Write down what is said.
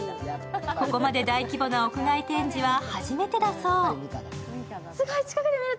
ここまで大規模な屋外展示は初めてだそう。